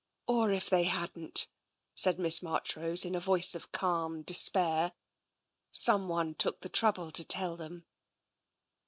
Or if they hadn't," said Miss Marchrose in a voice of calm de spair, " someone took the trouble to tell them."